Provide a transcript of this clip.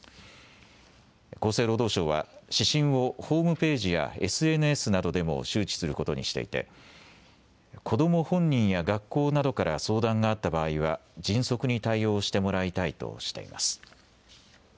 厚生労働省は指針をホームページやＳＮＳなどでも周知することにしていて子ども本人や学校などから相談があった場合は迅速に対応してもらいたいとしています。